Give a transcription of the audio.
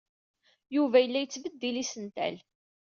Yuba yella yettbeddil isental.